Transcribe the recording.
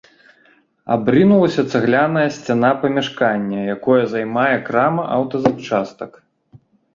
Абрынулася цагляная сцяна памяшкання, якое займае крама аўтазапчастак.